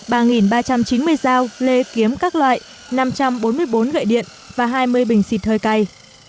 ba ba trăm chín mươi dao lê kiếm các loại năm trăm bốn mươi bốn gậy điện và hai mươi bình xịt hơi cay